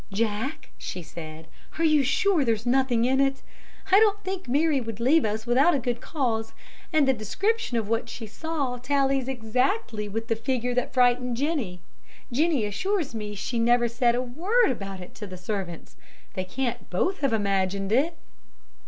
"Jack," she said, "are you sure there's nothing in it? I don't think Mary would leave us without a good cause, and the description of what she saw tallies exactly with the figure that frightened Jennie. Jennie assures me she never said a word about it to the servants. They can't both have imagined it."